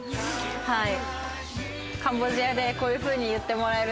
はい。